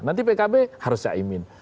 nanti pkb harus ciaimin